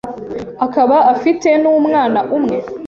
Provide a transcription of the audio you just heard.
akaba afite n’umwana umwe.